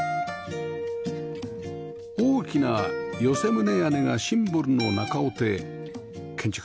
大きな寄棟屋根がシンボルの中尾邸